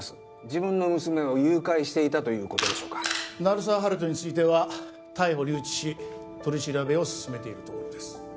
自分の娘を誘拐していたということでしょうか鳴沢温人については逮捕留置し取り調べを進めているところです